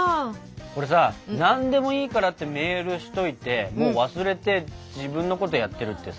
これさ「何でもいいから」ってメールしといてもう忘れて自分のことやってるってさ。